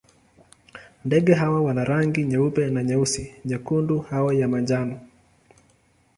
Ndege hawa wana rangi nyeupe na nyeusi, nyekundu au ya manjano.